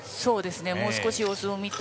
もう少し様子を見て。